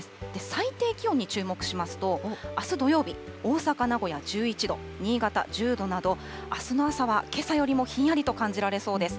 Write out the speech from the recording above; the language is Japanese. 最低気温に注目しますと、あす土曜日、大阪、名古屋１１度、新潟１０度など、あすの朝はけさよりもひんやりと感じられそうです。